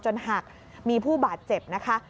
หักมีผู้บาดเจ็บนะคะ